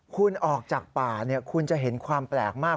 คุณออกจากป่าคุณจะเห็นความแปลกมาก